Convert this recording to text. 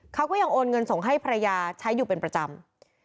เขาก็ยังโอนเงินส่งให้ภรรยาใช้อยู่เป็นประจำ